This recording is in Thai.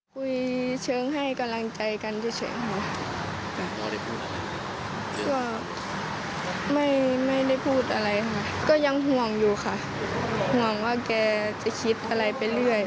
พ่อไม่ได้พูดอะไรค่ะก็ยังห่วงอยู่ค่ะห่วงว่าแกจะคิดอะไรไปเรื่อย